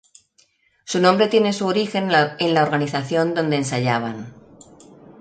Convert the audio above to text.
Su nombre tiene su origen en la organización donde ensayaban.